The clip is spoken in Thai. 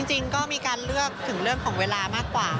จริงก็มีการเลือกถึงเรื่องของเวลามากกว่า